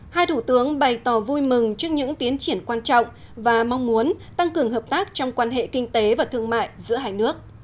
hai thủ tướng bày tỏ vui mừng trước những tiến triển quan trọng và mong muốn tăng cường hợp tác trong quan hệ kinh tế và thương mại giữa hai nước